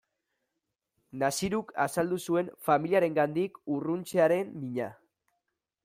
Naziruk azaldu zuen familiarengandik urruntzearen mina.